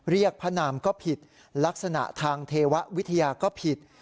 พระนามก็ผิดลักษณะทางเทววิทยาก็ผิด